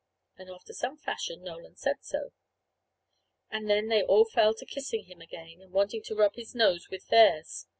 And after some fashion Nolan said so. And then they all fell to kissing him again, and wanted to rub his nose with theirs.